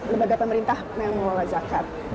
lembaga pemerintah pengolahan zakat